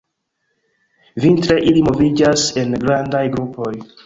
Vintre ili moviĝas en grandaj grupoj.